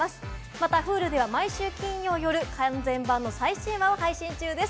またＨｕｌｕでは毎週金曜夜、完全版の最新話を配信中です。